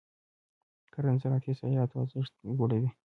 کرنه د زراعتي صادراتو ارزښت لوړوي.